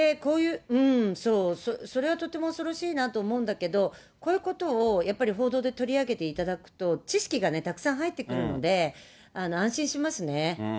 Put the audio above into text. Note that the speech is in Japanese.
そう、それはとても恐ろしいなと思うんだけど、こういうことをやっぱり報道で取り上げていただくと、知識がたくさん入ってくるので、安心しますね。